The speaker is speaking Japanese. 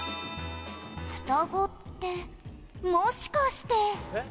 「ふたごってもしかして」